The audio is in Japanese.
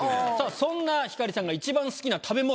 そんな星さんが一番好きな食べ物。